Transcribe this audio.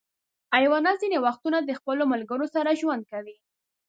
حیوانات ځینې وختونه د خپلو ملګرو سره ژوند کوي.